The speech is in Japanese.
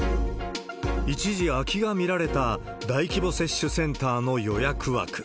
一時、空きが見られた大規模接種センターの予約枠。